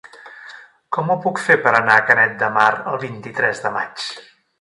Com ho puc fer per anar a Canet de Mar el vint-i-tres de maig?